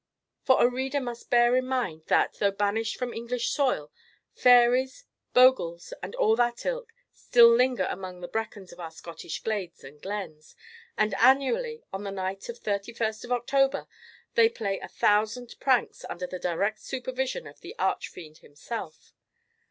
For the reader must bear in mind that, though banished from English soil, fairies, bogles, and all that ilk, still linger among the breckans of our Scottish glades and glens; and annually on the night of 31st October, they play a thousand pranks under the direct supervision of the archfiend himself.